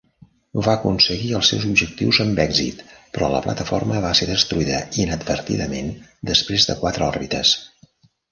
Va aconseguir els seus objectius amb èxit, però la plataforma va ser destruïda inadvertidament després de quatre òrbites.